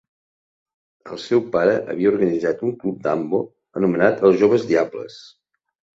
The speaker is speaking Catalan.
El seu pare havia organitzat un club d'handbol anomenat els Joves Diables.